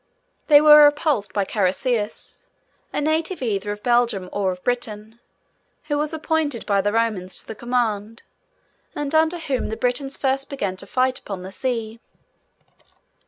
They were repulsed by Carausius, a native either of Belgium or of Britain, who was appointed by the Romans to the command, and under whom the Britons first began to fight upon the sea.